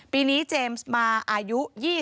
ปีนี้เจมส์มาอายุ๒๐